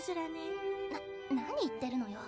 な何言ってるのよ。